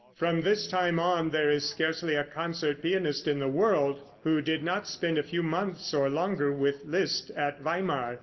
From this time on there is scarcely a concert pianist in the world who did not spend a few months or longer with Liszt at Weimar.